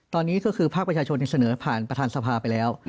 ตอนนี้ก็คือภาคประชาชนเสนอผ่านประธานสภาไปแล้ว